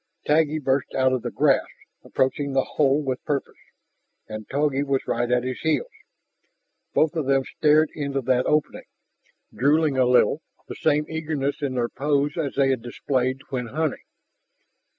Taggi burst out of the grass, approaching the hole with purpose. And Togi was right at his heels. Both of them stared into that opening, drooling a little, the same eagerness in their pose as they had displayed when hunting.